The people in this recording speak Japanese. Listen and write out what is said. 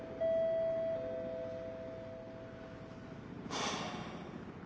はあ。